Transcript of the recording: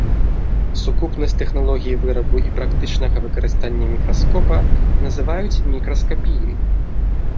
Сукупнасць тэхналогій вырабу і практычнага выкарыстання мікраскопа называюць мікраскапіяй.